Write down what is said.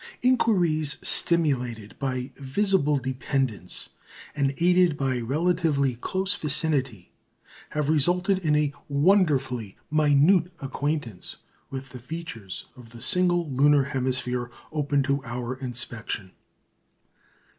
Inquiries stimulated by visible dependence, and aided by relatively close vicinity, have resulted in a wonderfully minute acquaintance with the features of the single lunar hemisphere open to our inspection.